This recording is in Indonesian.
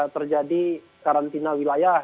terjadi karantina wilayah